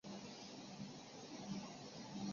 乌干达议会是乌干达的国家立法机关。